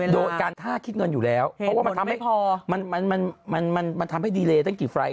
โดยการท่าคิดเงินอยู่แล้วเพราะมันทำให้ดีเลย์ได้กี่ไฟล์ท